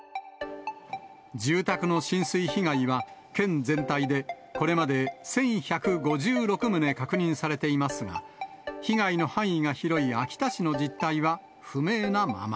住宅の浸水被害は、県全体でこれまで１１５６棟確認されていますが、被害の範囲が広い秋田市の実態は不明なまま。